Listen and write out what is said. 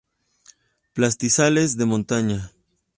Pastizales de montaña.